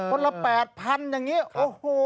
๑๒๐๐๐คนละ๘๐๐๐อย่างนี้โอ้โห